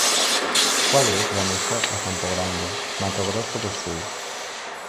Quadros va néixer a Campo Grande, Mato Grosso do Sul.